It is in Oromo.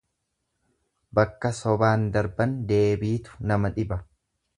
Bakka sobaan dabran deebiitu nama dhiba.